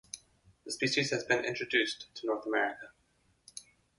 The species has been introduced to North America.